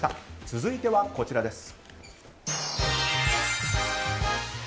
続いてはこちらです。